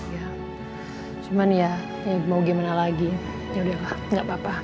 iya cuman ya mau gimana lagi yaudah lah gak apa apa